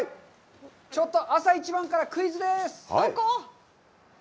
ちょっと朝一番からクイズです！